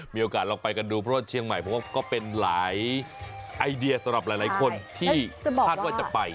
มีโอกาสลองไปกันดูเพราะว่าเชียงใหม่เพราะว่าก็เป็นหลายไอเดียสำหรับหลายคนที่คาดว่าจะไป